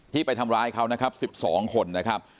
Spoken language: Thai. ไปทำร้ายเขานะครับ๑๒คนนะครับ